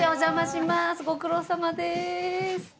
ご苦労さまです。